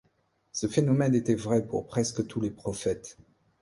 Ce phénomène était vrai pour presque tous les prophètes.